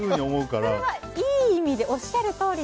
それは、いい意味でのおっしゃるとおり？